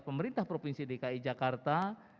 pemerintah provinsi dki jakarta